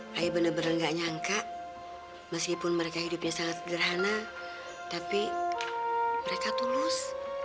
saya bener bener gak nyangka meskipun mereka hidupnya sangat sederhana tapi mereka tulus